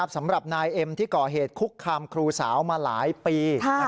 สำหรับนายเอ็มที่ก่อเหตุคุกคามครูสาวมาหลายปี